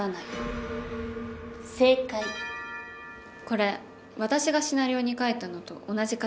これ私がシナリオに書いたのと同じ形だから。